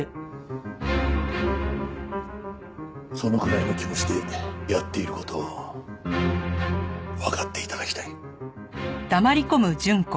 そのくらいの気持ちでやっている事をわかって頂きたい。